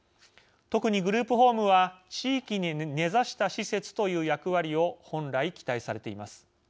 特にグループホームは地域に根ざした施設という役割を本来、期待されています。